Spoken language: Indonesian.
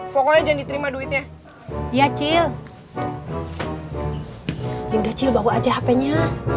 pokoknya jangan diterima duitnya ya cil ya udah cil bawa aja hpnya